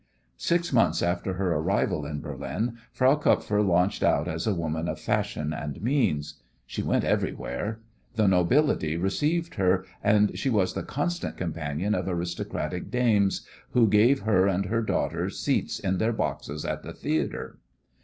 Six months after her arrival in Berlin Frau Kupfer launched out as a woman of fashion and means. She went everywhere. The nobility received her, and she was the constant companion of aristocratic dames, who gave her and her daughter seats in their boxes at the theatre.